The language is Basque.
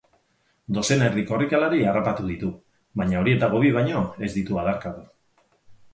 Dozena erdi korrikalari harrapatu ditu, baina horietako bi baino ez ditu adarkatu.